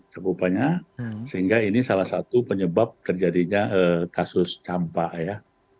cukup banyak sehingga ini salah satu penyebab terjadinya kasus campak ya